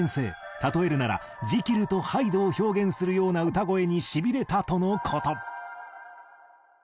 例えるならジキルとハイドを表現するような歌声にシビれたとの事。